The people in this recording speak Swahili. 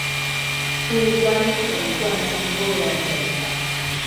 uruguay walikuwa na timu bora ya taifa